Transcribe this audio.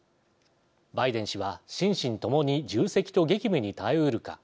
バイデン氏は心身ともに重責と激務に耐えうるか。